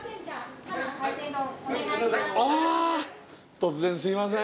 突然すいません